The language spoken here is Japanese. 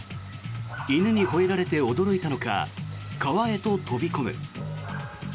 犬にほえられて驚いたのか川へと飛び込む。